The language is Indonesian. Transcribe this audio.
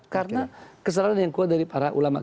karena kesalahan yang kuat dari para ulama